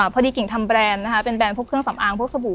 กิ่งทำแบรนด์นะคะเป็นแรนดพวกเครื่องสำอางพวกสบู่